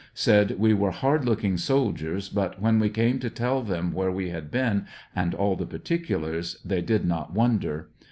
Said we were hard looking soldiers, but when we came to tell them where we had been and all the particulars, they did not wonder.